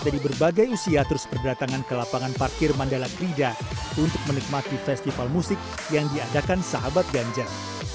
di lapangan parkir mandala krida untuk menikmati festival musik yang diadakan sahabat ganjar